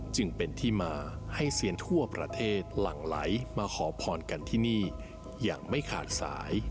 จึงเป็นที่มาให้เซียนทั่วประเทศหลั่งไหลมาขอพรกันที่นี่อย่างไม่ขาดสาย